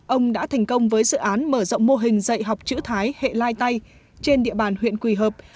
ông đã thành công với dự án mở rộng mô hình dạy học chữ thái hệ lai tay trên địa bàn huyện quỳ hợp